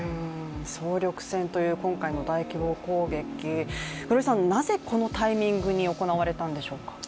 総力戦という今回の大規模攻撃なぜこのタイミングで行われたんでしょうか。